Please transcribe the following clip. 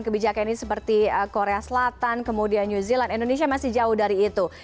kebijakan ini seperti korea selatan kemudian new zealand indonesia masih jauh dari itu